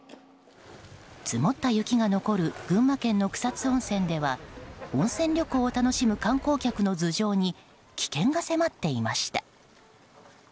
積もった雪が残る群馬県の草津温泉では温泉旅行を楽しむ観光客の頭上に危険が迫っていました。